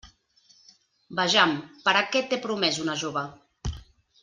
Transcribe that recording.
Vejam: per a què té promès una jove?